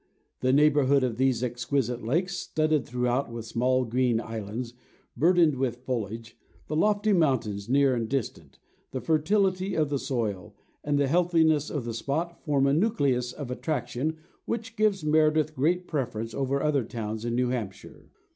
The neighbourhood of these exquisite lakes, studded throughout with small green islands, burdened with foliage,—the lofty mountains, near and distant,—the fertility of the soil, and the healthiness of the spot, form a nucleus of attraction which gives Meredith great preference over other towns in New Hampshire.